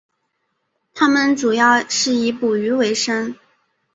他们主要是以捕鱼维生。